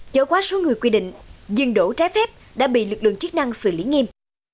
dỡ quá số người quy định dừng đổ trái phép đã bị lực lượng chức năng xử lý nghiêm